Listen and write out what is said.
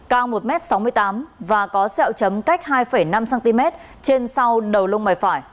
cao một m sáu mươi tám và có sẹo chấm cách hai năm cm trên sau đầu lông